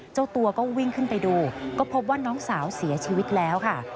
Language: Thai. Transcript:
เจ้าตัวก็วิ่งขึ้นไปดูก็พบว่าน้องสาวเสียชีวิตแล้วค่ะ